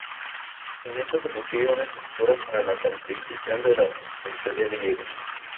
Con esto se consigue una estructura para la caracterización de la prehistoria griega.